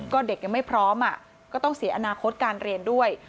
ก็เด็กยังไม่พร้อมก็ต้องเสียอนาคตการเรียนด้วย